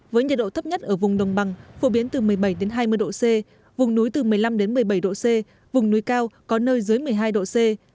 với nhiệt độ thấp nhất ở vùng đồng bằng phổ biến từ một mươi bảy hai mươi độ c vùng núi từ một mươi năm một mươi bảy độ c vùng núi cao có nơi dưới một mươi hai độ c